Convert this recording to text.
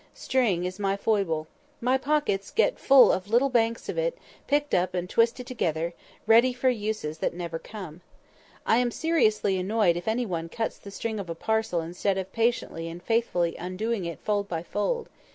String is my foible. My pockets get full of little hanks of it, picked up and twisted together, ready for uses that never come. I am seriously annoyed if any one cuts the string of a parcel instead of patiently and faithfully undoing it fold by fold.